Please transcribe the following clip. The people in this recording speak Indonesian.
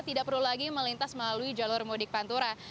tidak perlu lagi melintas melalui jalur mudik pantura